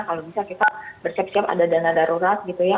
kalau bisa kita bersiap siap ada dana darurat gitu ya